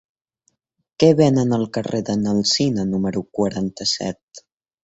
Què venen al carrer de n'Alsina número quaranta-set?